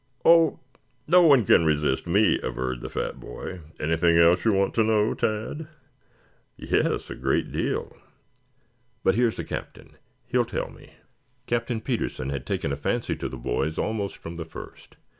"Oh, no one can resist me," averred the fat boy. "Anything else you want to know, Tad?" "Yes, a great deal. But here is the Captain. He will tell me." Captain Petersen had taken a fancy to the boys almost from the first.